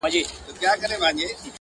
درته خبره كوم،